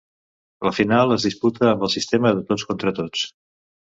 La final es disputa amb el sistema de tots contra tots.